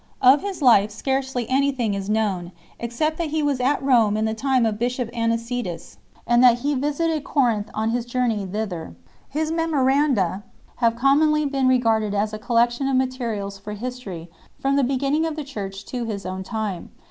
Of his life scarcely anything is known, except that he was at Rome in the time of bishop Anicetus, and that he visited Corinth on his journey thither 1 . His " Memoranda 2 " (vTTOfjLvr/fAaTa) have commonly been regarded as a collection of materials for history from the beginning of the Church to his own time.